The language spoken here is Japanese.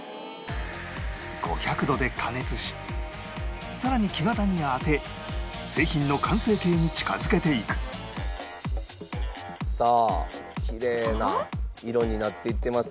５００度で加熱しさらに木型に当て製品の完成形に近づけていくさあきれいな色になっていってます。